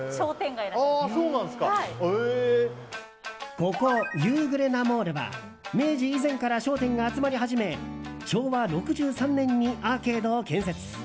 ここユーグレナモールは明治以前から商店が集まり始め昭和６３年にアーケードを建設。